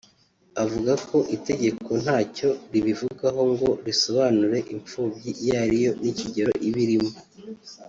avuga ko itegeko ntacyo ribivugaho ngo risobonanure impfubyi iyo ariyo n’ikigero iba irimo